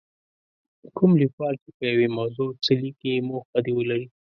کوم لیکوال چې په یوې موضوع څه لیکي موخه دې ولري.